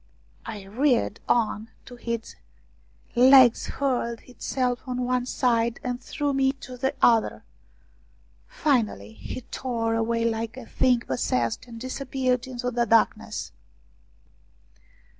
It reared on to its hind legs, hurled itself on one side, and threw me to the other ; finally he tore away like a thing possessed and disappeared into the darkness.